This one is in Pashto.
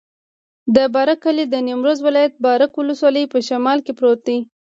د بارک کلی د نیمروز ولایت، بارک ولسوالي په شمال کې پروت دی.